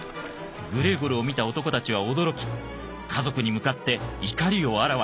グレーゴルを見た男たちは驚き家族に向かって怒りをあらわにした。